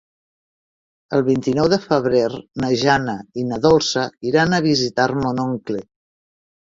El vint-i-nou de febrer na Jana i na Dolça iran a visitar mon oncle.